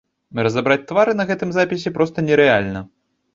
Разабраць твары на гэтым запісе проста нерэальна.